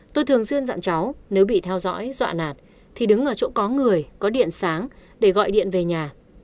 tôi thường xuyên dặn cháu nếu bị theo dõi dọa nạt thì đứng ở chỗ có người có điện sáng để gọi điện về nhà